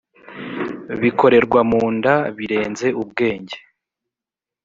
bikorerwa mu nda birenze ubwenge